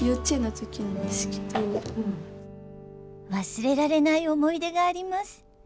忘れられない思い出があります。